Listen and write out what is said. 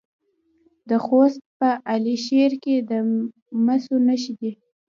د خوست په علي شیر کې د مسو نښې شته.